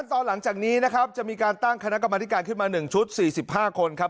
ตอนหลังจากนี้นะครับจะมีการตั้งคณะกรรมธิการขึ้นมา๑ชุด๔๕คนครับ